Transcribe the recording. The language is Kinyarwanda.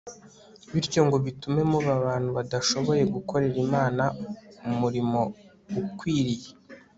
bityo ngo bitume muba abantu badashoboye gukorera imana umurimo ukwiriye